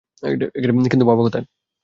কিন্তু, বাবা কোথায়?